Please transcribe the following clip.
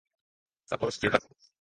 札幌市清田区